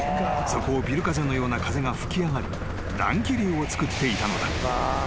［そこをビル風のような風が吹き上がり乱気流をつくっていたのだ］